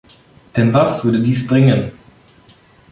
Denn was würde dies bringen?